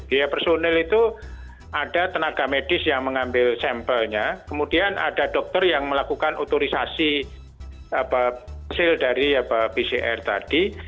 biaya personil itu ada tenaga medis yang mengambil sampelnya kemudian ada dokter yang melakukan otorisasi hasil dari pcr tadi